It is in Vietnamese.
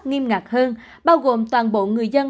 nghiêm ngạc hơn bao gồm toàn bộ người dân